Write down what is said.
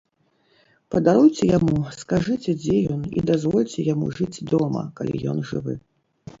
Падаруйце яму, скажыце, дзе ён, і дазвольце яму жыць дома, калі ён жывы.